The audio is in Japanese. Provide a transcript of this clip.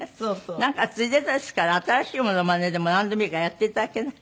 なんかついでですから新しいモノマネでもなんでもいいからやって頂けない？